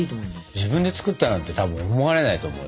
自分で作ったなんてたぶん思われないと思うよ。